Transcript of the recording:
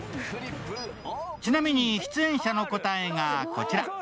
ちなみに出演者の答えがこちら。